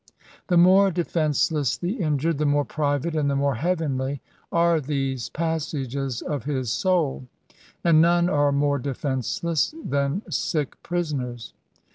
The more defenceless the injured, the more private and the more heavenly are these passages of his soul; and none are more defenceless than sick prisoners.